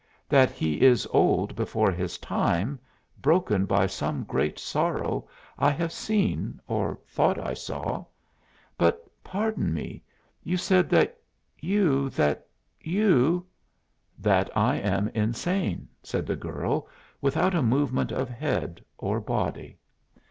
That he is old before his time, broken by some great sorrow, I have seen, or thought I saw. But, pardon me, you said that you that you " "That I am insane," said the girl, without a movement of head or body.